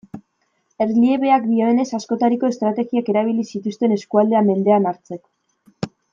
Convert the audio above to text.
Erliebeak dioenez, askotariko estrategiak erabili zituzten eskualdea mendean hartzeko.